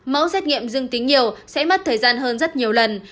mẫu xét nghiệm dương tính nhiều sẽ mất thời gian hơn rất nhiều lần